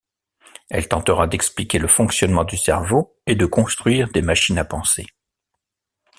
Elle tentera d'expliquer le fonctionnement du cerveau et de construire des machines à penser.